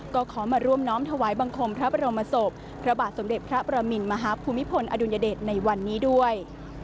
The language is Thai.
ก็ขอมาร่วมน้อมถวายบังคมพระบรมศพพระบาทสมเด็จพระประมินมหาภูมิพลอดุลยเดชในวันนี้ด้วย